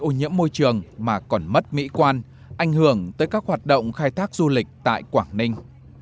ô nhiễm môi trường mà còn mất mỹ quan ảnh hưởng tới các hoạt động khai thác du lịch tại quảng ninh